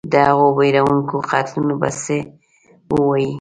د هغو وېروونکو قتلونو به څه ووایې.